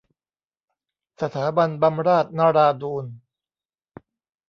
สถาบันบำราศนราดูร